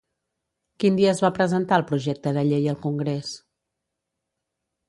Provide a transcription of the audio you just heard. Quin dia es va presentar el projecte de llei al Congrés?